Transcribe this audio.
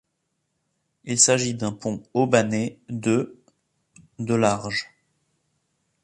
Il s'agit d'un pont haubané de de large.